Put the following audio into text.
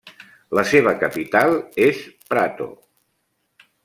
La seva capital és Prato.